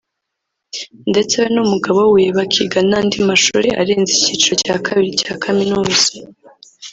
ndetse we n’umugabo we bakiga n’andi mashuri arenze icyiciro cya kabiri cya kaminuza